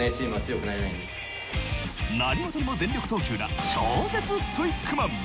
何事にも全力投球な超絶ストイックマン！